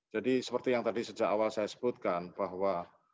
jadi seperti yang tadi sejak awal saya sebutkan bahwa